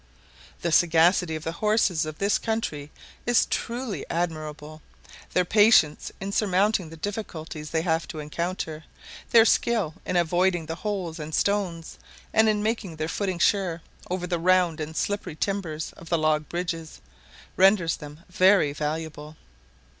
The sagacity of the horses of this country is truly admirable. Their patience in surmounting the difficulties they have to encounter, their skill in avoiding the holes and stones, and in making their footing sure over the round and slippery timbers of the log bridges, renders them very valuable.